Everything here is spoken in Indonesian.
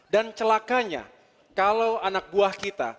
dan celakanya kalau anak buah kita